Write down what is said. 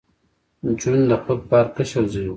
جون د خپل پلار کشر زوی و